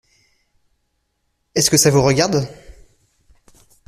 Est-ce que ça vous regarde ?